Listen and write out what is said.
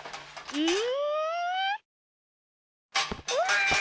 うん？